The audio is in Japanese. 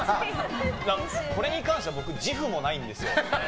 これに関しては自負もないんですよ。